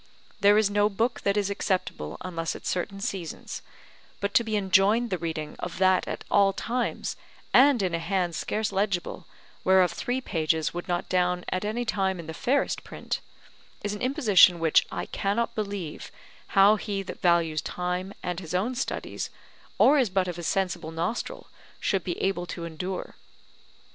There is no book that is acceptable unless at certain seasons; but to be enjoined the reading of that at all times, and in a hand scarce legible, whereof three pages would not down at any time in the fairest print, is an imposition which I cannot believe how he that values time and his own studies, or is but of a sensible nostril, should be able to endure.